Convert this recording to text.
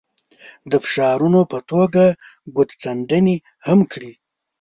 د فشارونو په توګه ګوتڅنډنې هم کړي.